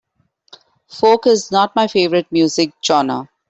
Folk is not my favorite music genre.